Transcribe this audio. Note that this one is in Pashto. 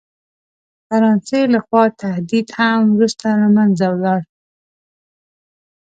فرانسې له خوا تهدید هم وروسته له منځه ولاړ.